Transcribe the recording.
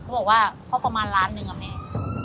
บอกว่าก็ประมาณล้านหนึ่งอะแม่